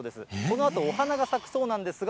このあとお花が咲くそうなんです